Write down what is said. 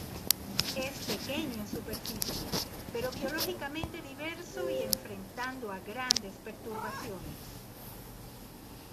Es pequeño en superficie, pero biológicamente diverso y enfrentando a grandes perturbaciones.